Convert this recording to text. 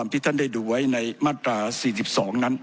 ผมจะขออนุญาตให้ท่านอาจารย์วิทยุซึ่งรู้เรื่องกฎหมายดีเป็นผู้ชี้แจงนะครับ